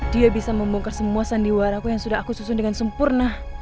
dia bisa membongkar semua sandiwaraku yang sudah aku susun dengan sempurna